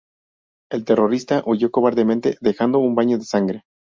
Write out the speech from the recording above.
El terrorista huyo cobardemente dejando un baño de sangre